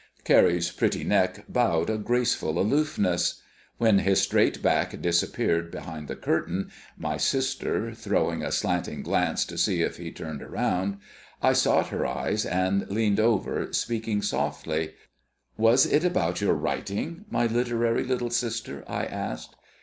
Carrie's pretty neck bowed a graceful aloofness. When his straight back disappeared behind the curtain, my sister throwing a slanting glance to see if he turned round, I sought her eyes, and leaned over, speaking softly. "Was it about your writing, my literary little sister?" I asked.